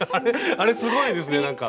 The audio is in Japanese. あれすごいですねなんか。